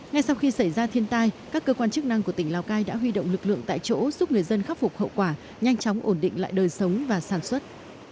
ngay sau khi xảy ra thiên tai các cơ quan chức năng của tỉnh lào cai đã huy động lực lượng tại chỗ giúp người dân khắc phục hậu quả nhanh chóng ổn định lại đời sống và sản xuất